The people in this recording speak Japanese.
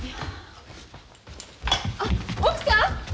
あっ奧さん！